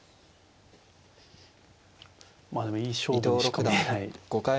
まあでもいい勝負にしか見えないですね。